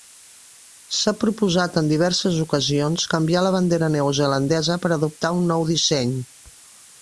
S'ha proposat en diverses ocasions canviar la bandera neozelandesa per adoptar un nou disseny.